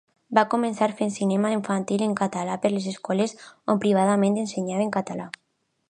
Va començar fent cinema infantil en català per les escoles, on privadament ensenyaven català.